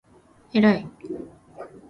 えらい